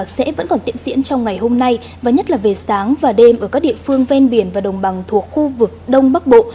sẽ vẫn còn tiệm diễn trong ngày hôm nay và nhất là về sáng và đêm ở các địa phương ven biển và đồng bằng thuộc khu vực đông bắc bộ